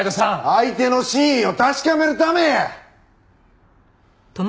相手の真意を確かめるためや！